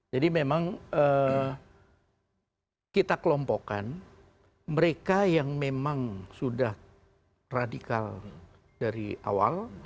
jadi memang kita kelompokkan mereka yang memang sudah radikal dari awal